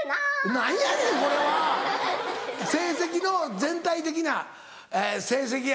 何やねんこれは⁉成績の全体的な成績や。